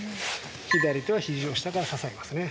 左手はひじの下から支えますね。